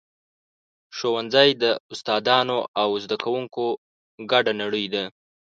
ښوونځی د استادانو او زده کوونکو ګډه نړۍ ده.